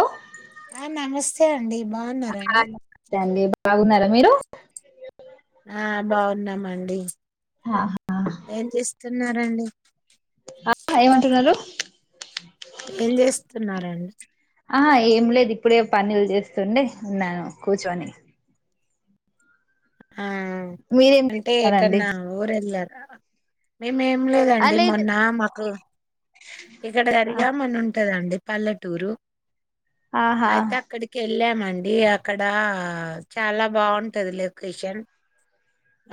అ ఆ నమస్తే అండి. బాగున్నారా అండి? అండి బాగున్నారా మీరు ఆ బాగున్నామండి. ఆ, ఏం చేస్తున్నా రండి? ఆ ఏమంటన్నారు? ఏం చేస్తున్నారండి? ఆహ ఏం లేదు. ఇప్పుడే పనులు చేస్తుండే. ఉన్నాను. కూర్చొని. ఆ మీరేం అంటే చేస్తున్నారండి ఎక్కన్నా ఊరెళ్ళారు. మీ మేం ఆ లేదండి. లేదు మొన్న మాకు ఇక్కడ గరిగాం అనుంటదండి. పల్లటూరు. ఆహా ఆయితే అక్కడికె వెళ్ళామండి. అక్కడ, చాలా బాగుంటది లే. క్రిషన్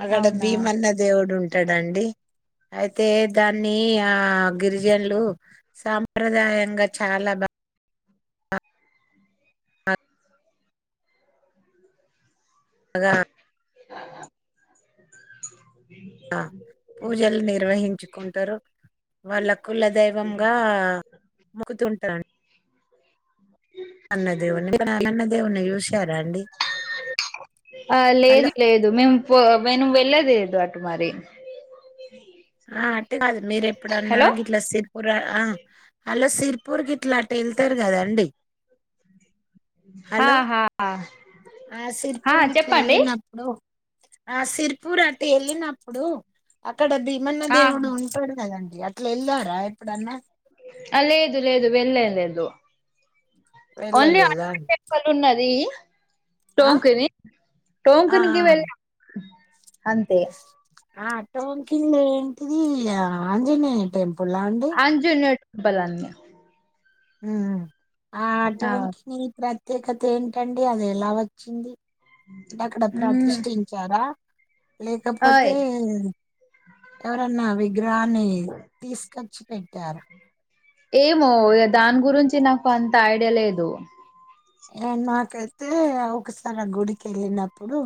అదే ఆడ అవునా భీమన్న దేవుడు ఉన్ ఉంటడండి. అయితే, దాన్ని ఆ గిరిజనులు సాంప్రదాయంగా చాలా బా బాగా అగా ఆ పూజలు నిర్వహించుకుంటారు. వాళ్ళ కులదైవంగా ముకుతుంటారు. అన్న దేవున్ని [unintelligible] లన్న దేవున్ ని చూస్ ఆ హలో లేదు లేదు మేము పో వెను వెళ్ళలేదు అటు మరి ఆ అట్టగాదు. మీరెప్పుడన్నా హలో గిట్లా సిర్పుర, ఆ అలో సిర్పూర్ గిట్ల అటెళ్తారు కదండి! హలో ఆహా ఆ ఆ, సిర్పూర్ గిట్ల చెప్పండి ఎళ్ళినప్పుడు, ఆ సిర్పూర్ అట్ వెళ్ళినప్పుడు అక్కడ బి మన్న ఆ, దేవుడు ఉంటాడు కదండి అట్లా వెళ్లారా ఎప్పుడన్న ఆ లేదు లేదు వెళ్ళం లేదు ఓన్లీ వెళ్ళలేదా హనుమాన్ అండి టెంపుల్ ఉన్నది ఆ టోంకని ఆ టోంకనికివళ అంతే ఆ టోంకిల్ ఏంటిది ఆ ఆంజనేయ టెం అంజన్నడు బలాన్ని ఊ ఆటో ఆ వానికి మిమిత్ర ప్రత్యేకత ఏంటండి అది ఎలా వచ్చింది అక్కడ మ్మ్ ప్రతిష్ఠించారా ఆ లేకపోతే ఎవరన్నా వి రాని తీసు ఖచ్చు పెట్టారు ఏమో ఇగ దాని గురించి నాకు అంత ఐడియా లేదు నాకైతే ఒకసారి ఆ గుడికి వెళ్ళినప్పుడు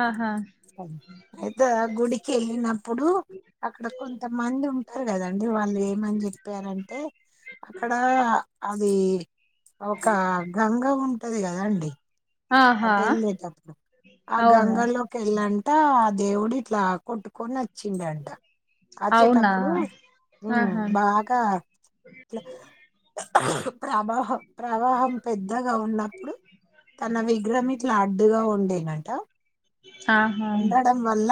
ఆహా అయితే ఆ గుడి కెళ్ళినం ఇప్పుడు అక్కడ కొంతమంది ఉంటారు కదండి వాళ్ళు ఏమని చెప్పారంటే అక్కడ అది ఒకా గంగ ఉం అదే కదా అండి ఆహా అటు వెళ్లేేటప్పుడు ఆ అవును గంగలోకి వెళ్ళంటా దేవుడు ఇట్లా కొట్టుకొని వచ్చిండంట అవునా అచ్చేటప్పుడు ఆహా బాగా ప్రవాహ ప్రవాహం పెద్దగా ఉన్నప్పుడు తన వి [unintelligible] ఇట్లా అడ్డుగా ఉ ముందేనంట ఆహా ఉండడం వల్ల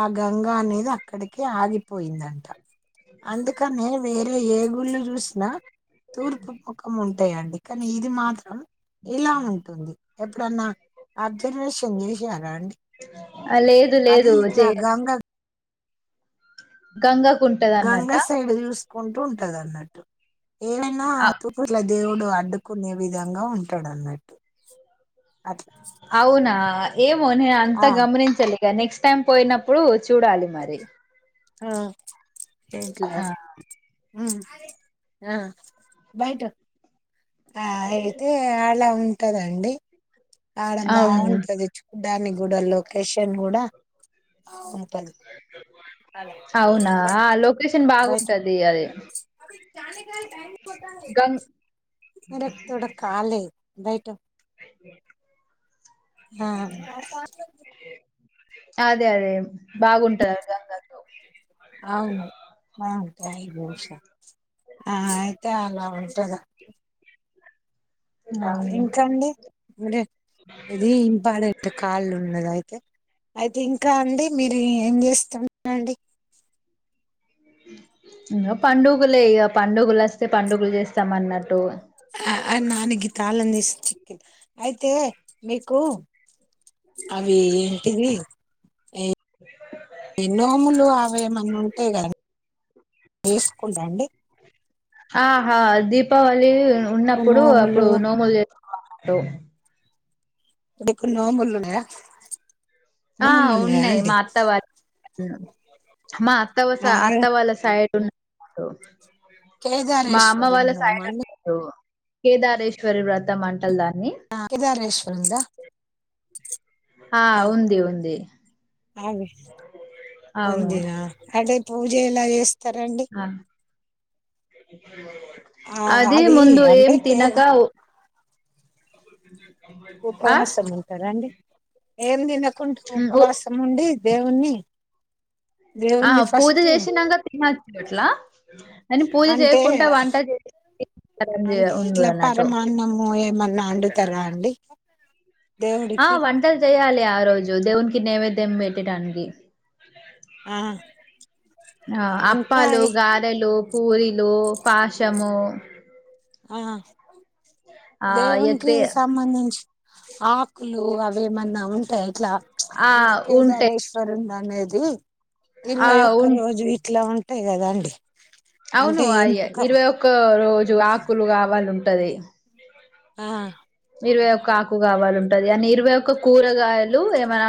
ఆ గంగా అనేది అక్కడికే ఆగిపోయిందంట అందుకనే ఏమి ఏ గుళ్ళు చూసిన తూర్పు ముఖం ఉంటాయండి కానీ ఇది మాత్రం ఇలా ఉంటుంది ఎప్పుడన్నా అబ్జర్వేషన్ చేశారా అండి ఆ లేదు అది లేదు ఇట్లా గంగ గంగా గంగా సైడ్ చూసి కుంటూ ఉంటది అన్నట్టు ఏన్నా అ తూపర్ల దేవుడు అడ్డుకునే విధంగా ఉంటాడన్నట్టు అవునా ఏమో న ఆ అంతా గమనించలే ఇ నెక్స్ట్ టైం పోయినప్పుడు చూడాలి మరి ఆ ఏలా ఆ మ్ మ్ బయట ఆ అయితే ఆళ ఉ ఉంటదండి అడ అవును బాగుంటదిచ్చుకు దాని కూడా లోకేషన్ కూడా అలా అవునా లొకేషన్ బాగుంటది అది కా కా బ్యాంక్ గంగ్ అరే తడ కల్ బయట ఆ అదే అదే బాగుంటంది గంగాతో అవును బ ఉంటా ఆ అయితే అలా ఉంటందా అవును ఇంకాండి ఇరిే ఇది ఇంపార్టెంట్ కాళ్ళు ఉన్నద అయితే ఓకే అయితే ఇంకా అండి మీరు ఏం చేస్తునండి పండుగలే పండుగలు వస్తే పండుగలు చేస్తామ అన్నట్టు చిక్ అయితే మీకు అవి ఏంటిది ఎ నోములు అవైమన్నా ఉంటాయి కద తీసుకుంటాండి ఆహా దీపావళి ఉన్నప్పుడు నోములు అప్పుడు నోములు చేస్త ట ఇకున్నా బళన్నా ఆ ఉన్నాయి్ మా అత్తవారి అ మా అత్తవస ఆ అత్తవ వాళ్ళ సైడ్ ఉన్న మా అమ్మ కేదారేశ్వరుని వాళ్ళ సాయ నోమా అండి కేదారేశ్వరి వ్రతం మంటల్ దార కేదారేశ్వర్ంద ఆ ఉంది ఉంది అ అవును ముందిన అదే పూజ ఎలా ఎ ఆ అది ముందు ఏం అంటే కే తినక ఆ ఉపవాసం ఉంటారా అండి ఏం తినం కుంటూ ఉపవాసం ఉండి దేవుణ్ణి ఆ దేవుణ్ణి పూజ ఫస్ట్ చేసినాక తినొచ్చు అట్లా అని పూజ అంటే చేయకుండా వంట చేసి అంటే ఉండు ఇట్లా అన్నట్టు పరమాన్నము ఏమన్నా వండుతరా అండి ఆ దేవుడికి వంటలు చెయ్యాలియా ఆ రోజు దేవున్కి నైవేద్యం బెట్టేటడానికి ఆ ఆ ఇంకా అప్పాలు ఏ- గారెలు పూరిలు పాశము ఆ ఆ దేవునికి ఎక్రే సంబంధించి ఆకులు అవి ఏమన్నా ఉంటే ఇట్లా ఆ అంటే ఉంటాయి కేదారేశ్వరుణ్ణా అనేది ఆ ఇరవై ఒక్క ఉ రోజు ఇట్లా ఉంట గ అదా అండి అవును అయ్యో ఇరవై ఒక్క రోజు ఆకు లు గావాలి ఉంటది ఆ ఇరవై ఒక ఆకు గావాల ఉంటది అని ఇరవై ఒక్క కూరగాయలు ఏమైనా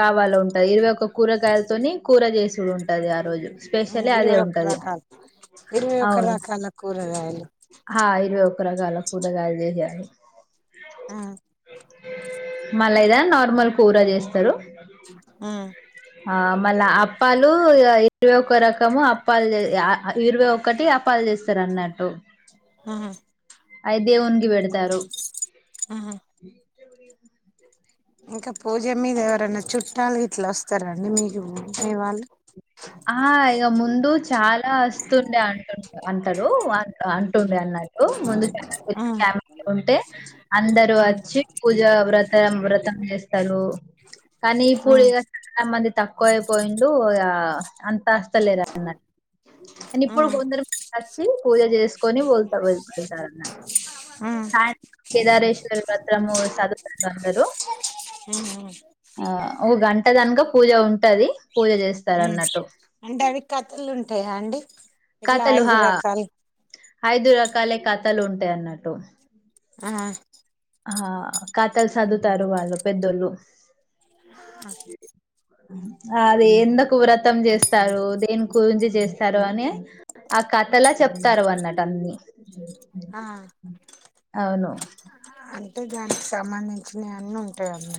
కావాల ఉంటది ఇరవై ఒక కూరగాయలతోని కూర చేసిడు ఉంటది ఆ రోజు ఉమ్, స్పెషలీ అదే ఇరవై ఒక్క ఉంటది రకాలు ఇరవై ఒక్క అవును రకాల కూరగాయలు హ ఇరవై ఒక రగాల కూరగాయల్ దే జేయాలి మళ్ళ ఇదా నార్మల్ కూరా జెస్తారు ఆ ఆ మళ్ళా అప్పాలు ఇరవై ఒక రకము అప్పాలు ఇరవై ఒకటి అ ప్పాలు చేస్తారు అన్నట్టు ఐద్ దేవునికి బెడతారు ఇంకా పూజ మీద ఎవరైనా చుట్టాలు ఇట్లా వస్తార అండి మీకు మీ వాళ్ళు ఆ ఇగ ముందు చాలా వస్తుండే అంటు అంటారు అ అంటుండే అన్న ముందు [unintelligible] ఉంటే అందరు వచ్చి పూజ వ్రతం వ్రతం చెస్తారు కానీ ఇప్పుడు ఇగ చాలా మంది తక్కువ అయిపోయిండు [unintelligible] అంతా అస్తలేరా అన అండ్ ఇప్పుడు కొందరు టచ్ ని పూజ చేస్ కొని పోల్తారు వెల్తుంటారు సాయంత్రం కేదారేశ్వరి వత్రము సదువుతారు అందరు ఆ ఒక గంట దనక పూజ ఉంటది పూజ జె అంటే అవి కథలు ఉంటాయా అండి ఇట్లా కాథలు హ ఐదు రకాలు అయిదు రకాలే కథలు ఉంటాయి అన్నట్టు ఆ ఆ కథలు చదువుతారు వాళ్ళు పెద్దోళ్ళు ఓ అది ఎందుకు వ్రతం చేస్తారు దేని గురించి చేస్తారు అని ఆ కథలా చెప్తారు వాళ్లు అటన్ని ఆ అవును అంటే దానికి సంబంధించినవి అన్నీ ఉంటాయి అన్న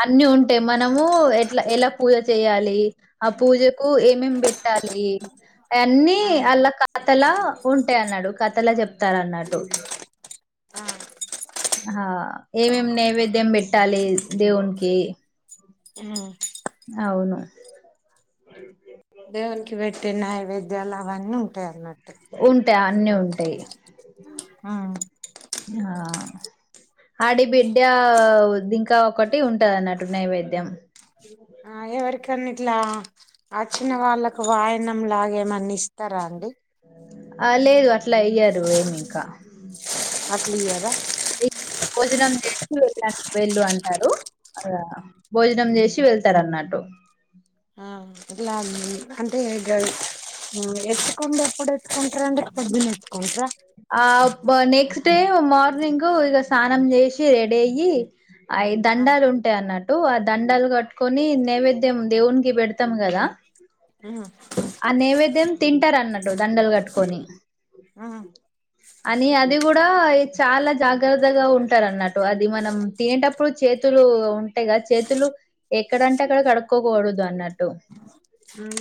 అన్ని ఉంటాయి మనము ఎట్లా ఎలా పూజ చేయాలి ఆ పూజకు ఏమేమి బెట్టాలి అయన్నీ అలా కథలా ఉంటాయి అన్నాడు కథలా చెప్ త్తారు అన్నట్టు ఆ హ ఏమేం నైవేద్యం బెట్టాలి దేవునికి అవును దేవునికి పెట్టి నైవేద్యాలు అవన్నీ ఉంటాయ్ అన్న ఉంటె అన్ని ఉంటాయ్ ఆ ఆ ఆడి బిడ్డా ఇంక ఒకటి ఉంటది అన్నట్టు నైవేద్యం ఆ ఏవరికన్నీట్లా అచ్చిన వాళ్ళలకు వాయనం లాగేమన్న ఇస్తరా అండి ఆ లేదు అట్ ట్లా ఇయ్యారు ఏమి ఇంక అట్లియ్యార భోజనం చేసి వెళ్ళ వెళ్ళు అంటరు ఆ భోజనం జేషి వెళ్తారు అన్నట్టు ఇలా అంటే గ ఉమ్ ఎతుకండు ఎప్పుడేత్ ఉంట్రండి ద్దున ఎత్తుకుంట్ర క్స్ట్ డే మార్నింగు ఇగ స్నానం జెషి రెడీ అయ్యి అయ్ ఆ దండాలు ఉంటాయన్నట్ ట్టు ఆ దండలు కట్టుకొని నైవేద్యం దేవునికి పెడ్తాం గదా ఉ తింటరన్నట్టు దండలు గట్టుకొని ఆ అని అది గుడా చాలా జాగ్రద్దగా ఉంటారన్నట్టు అది మనం తినేటప్పుడు చేతులు ఉంటాయ్గద చేతులు ఎక్కడంటే అక్కడ కడుక్కోకూడదు అన్నట్టు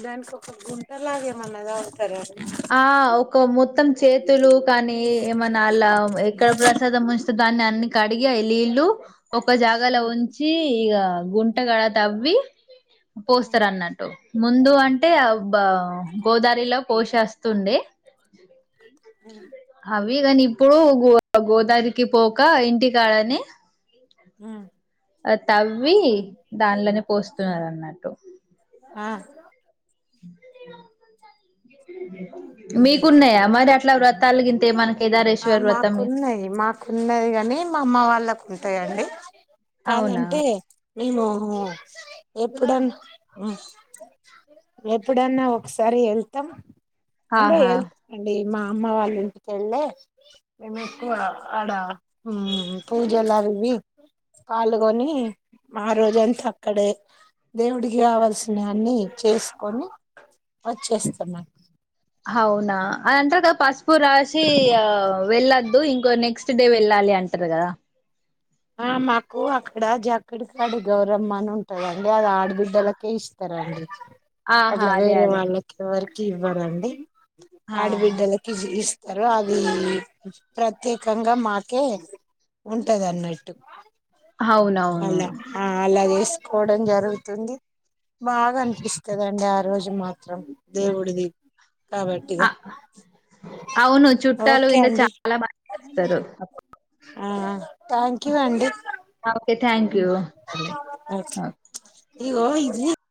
దాన్కి ఒక గుంటలాగ ఏమన్నాదవుతారాడి ఆ ఒక మొత్తం చేతులు కానీ ఏమన్న అల్లా ఎక్కడ ప్రసాదం ఉంచతె దాన్ని అన్ని కడిగి లీళ్ళు ఒక జాగాలో ఉమ్ ఉంచి ఇక గుంటగాడ తవ్వి ఉమ్ పోస్తరన్నట్టు ముందు అంటే బా గోదారిలో పోశస్ స్తుండే ఉమ్ అవి గని ఇప్పుడు గోదారికి పోక ఇంటి కాడనె ఉ అ తవ్వి దాన్లోనే పోస్తున్నారన్నట్టు అ మీకున్నయా మరట్ల వ్రతాలుగింతే మన ఆ కేదారేశ్వర వ్రతం మాకున్నయ్ మాకున్నది గని మమ్మ వాళ్ళకు ఉంటయండి అవునా కాదంటే మేమూ ఎప్పుడన్ ఎప్పుడన్నా ఒకసారి ఎళ్తం అంటే ఆహా హెల్త్ రండి మామ్మ వాళ్ళంటికెళ్ళే మేముట్ ఆడ ఉమ్ పూజలవ్వి పాల్గొని ఆ రోజంతా అక్కడే దేవుడికి కావాల్సినన్ని చేస్కోని ఒచ్చేస్తం ఔనా అంటరు గ పస్ ప్పు రాశి ఆ వెళ్ళద్దు ఇంకో నెక్స్ క్స్ట్ డే వెళ్ళాలి అంటరు గదా అ మాకు అక్కడ జక్కడికాడి గౌరమ్మ అని ఉంటదండి అది ఆడబిడ్డలకే ఇస్తరండి ఆహా అట్ల అదే వేరే అదే వాళ్ళకేవర్ ఇవ్వాలండి హా ఆడుబిడ్డల్ కిజ్ ఇస్ స్తారు అది ప్రత్యేకంగా మాకే ఉంటందన్నట్టు ట్టు అవునవును అలా ఆ అలాగే కోవడం జరుగుతుంది బాగా అనిపిస్తుందండి ఆ రోజు మాత్ త్రం దేవుడిది కాబట్టిగా ఆ అవును చుట్టాలు ఓకే ఇంత అండి చాలా మంది వస్తారు ఆ థ్యాంక్ కీవండి ఓకే థ్యాంక్ యూ సరే ఓకే ఒకే ఇగో ఇది